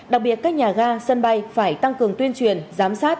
đặc biệt các nhà ga sân bay phải tăng cường tuyên truyền giám sát